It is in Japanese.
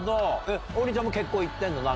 王林ちゃんも、結構行ってんの？